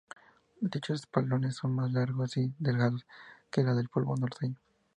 Dichos espolones son más largos y delgados que las del pavo norteño.